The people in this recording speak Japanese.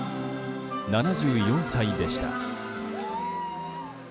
７４歳でした。